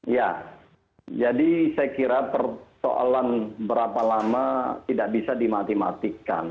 ya jadi saya kira persoalan berapa lama tidak bisa dimati matikan